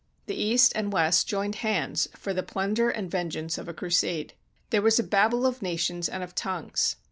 The East and West joined hands for the plunder and venge ance of a crusade. There was a Babel of nations and of tongues.